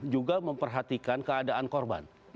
juga memperhatikan keadaan korban